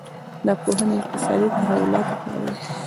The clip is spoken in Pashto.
دا پوهنې اقتصادي تحولاتو په اړه دي.